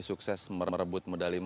sukses merebutkan medali yang berbeda